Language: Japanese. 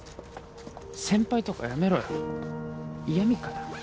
先輩とかやめろよ嫌みかよ